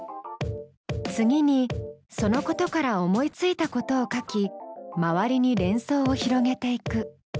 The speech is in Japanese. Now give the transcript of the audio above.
次にそのことから思いついたことを書き周りに連想を広げていく。